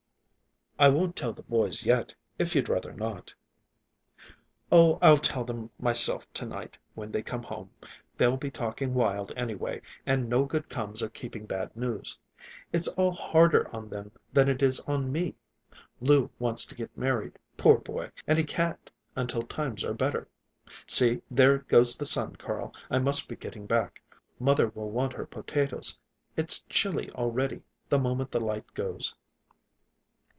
"I won't tell the boys yet, if you'd rather not." "Oh, I'll tell them myself, to night, when they come home. They'll be talking wild, anyway, and no good comes of keeping bad news. It's all harder on them than it is on me. Lou wants to get married, poor boy, and he can't until times are better. See, there goes the sun, Carl. I must be getting back. Mother will want her potatoes. It's chilly already, the moment the light goes."